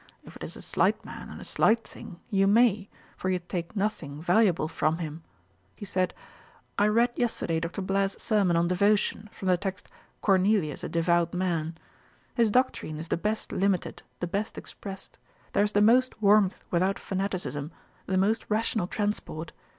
If it is a slight man, and a slight thing, you may; for you take nothing valuable from him.' He said, 'I read yesterday Dr. Blair's sermon on Devotion, from the text "Cornelius, a devout man." His doctrine is the best limited, the best expressed: there is the most warmth without fanaticism, the most rational transport.